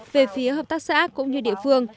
về phía hợp tác xã cũng như địa phương